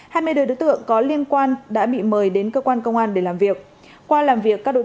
hai mươi đứa đối tượng có liên quan đã bị mời đến cơ quan công an để làm việc qua làm việc các đối